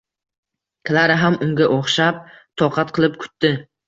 Klara ham unga o’xshab, toqat qilib kutdi.